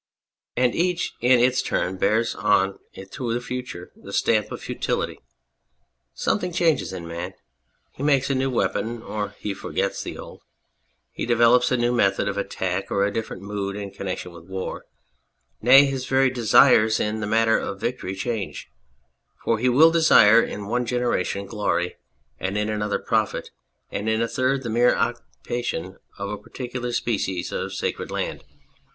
And each in its turn bears on into its future the stamp of futility. Something changes in man : he makes a new weapon (or he forgets the old), he develops a new method of attack or a different mood in connection with war ; nay, his very desires in the matter of victory change, for he will desire in one generation glory, and in another profit, and in a third the mere occupation of a particular piece of sacred land.